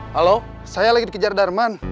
halo saya lagi dikejar darman